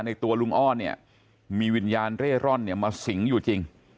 ในตัวลุงอ้อนมีวิญญาณเร่ร่อนมาสิงอยู่จริง